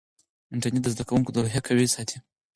انټرنیټ د زده کوونکو روحیه قوي ساتي.